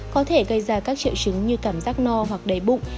có thể gây ra các triệu chứng như cảm giác no hoặc đầy bụng